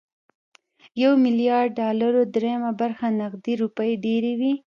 د يو ميليارد ډالرو درېيمه برخه نغدې روپۍ ډېرې وي